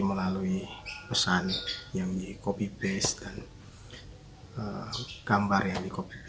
melalui pesan yang di copy base dan gambar yang di copy